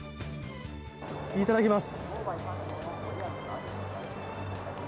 いただきます。